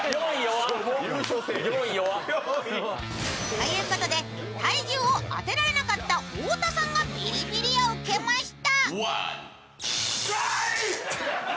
ということで体重を当てられなかった太田さんがビリビリを受けました。